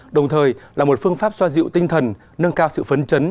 đồng thời là một phương pháp xoa dịu tinh thần nâng cao sự phấn chấn